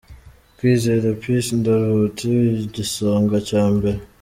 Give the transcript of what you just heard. Kwizera Peace Ndaruhutse : Igisonga cya Mbere